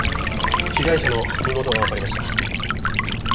被害者の身元がわかりました。